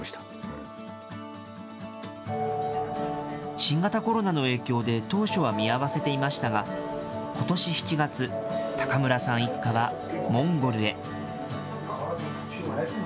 新型コロナの影響で、当初は見合わせていましたが、ことし７月、高村さん一家はモンゴルへ。